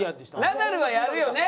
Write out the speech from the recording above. ナダルはやるよね？